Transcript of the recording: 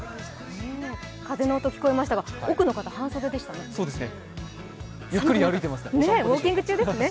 風の音、聞こえましたが奥の方、半袖でしたね。